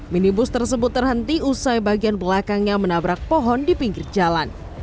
minibus tersebut terhenti usai bagian belakangnya menabrak pohon di pinggir jalan